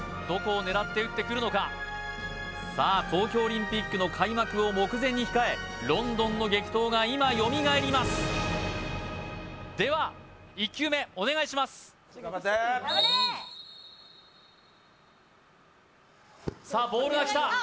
どこを狙って打ってくるのかさあ東京オリンピックの開幕を目前に控えロンドンの激闘が今よみがえりますでは１球目お願いしますさあボールが来た